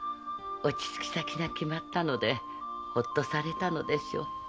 落ち着き先が決まったのでほっとされたのでしょう。